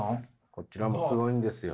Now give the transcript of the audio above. こちらもすごいんですよ。